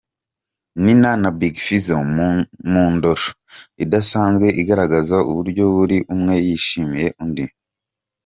Nina na Big Fizzo mu ndoro idasanzwe igaragaza uburyo buri umwe yishimiye undi.